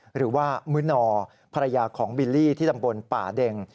หรือว่ามื้อนอภรรยาของบิลลี่ที่ตำบลป่าเด็ง